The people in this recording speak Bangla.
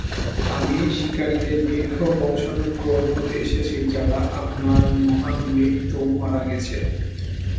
আমি শিকারিদের দীর্ঘ বংশানুক্রম হতে এসেছি যারা আপনার মহান মৃত্যু মারা গেছে!